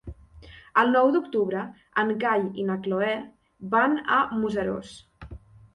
El nou d'octubre en Cai i na Cloè van a Museros.